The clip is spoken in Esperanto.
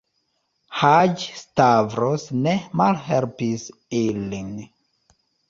Haĝi-Stavros ne malhelpis ilin.